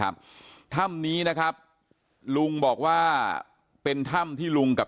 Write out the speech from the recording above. แล้วท่านผู้ชมครับบอกว่าตามความเชื่อขายใต้ตัวนะครับ